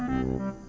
ah itu tuh